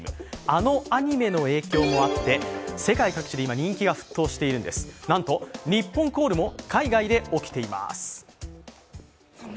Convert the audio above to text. あのアニメの影響もあって、世界各地で今、人気が沸騰しているんですなんと、ニッポンコールも海外で起きています。